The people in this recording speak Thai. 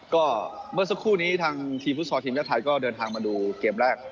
ก็เมื่อสักคู่นี้ทางชีวิตภูมิทรสอทีมแท้ไทยก็เดินทางมาดูเกมแรก